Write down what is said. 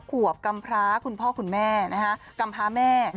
กรรมพระคุณพ่อคุณแม่กรรมพระแม่